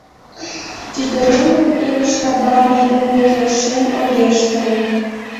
Тиде нунын илыш радамышт дене келшен огеш тол».